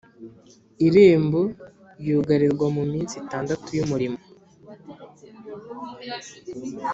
Irembo ryugarirwa mu minsi itandatu y’umurimo